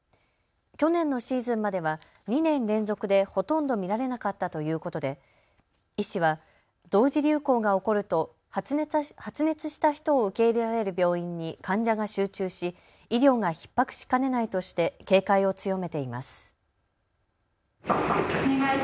去年のシーズンまでは２年連続でほとんど見られなかったということで医師は同時流行が起こると発熱した人を受け入れられる病院に患者が集中し医療がひっ迫しかねないとして警戒を強めています。